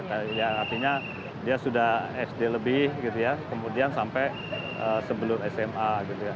artinya dia sudah sd lebih gitu ya kemudian sampai sebelum sma gitu ya